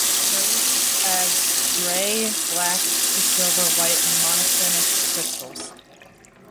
It occurs as grey, black, to silvery white monoclinic crystals.